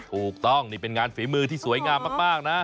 ถูกต้องนี่เป็นงานฝีมือที่สวยงามมากนะ